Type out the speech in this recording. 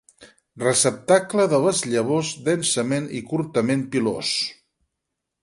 Receptacle de les llavors densament i curtament pilós.